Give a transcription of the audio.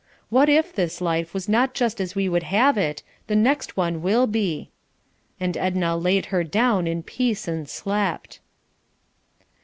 What if this life was not just as we would have it, the next one will be; and Edna "laid her down in peace and slept."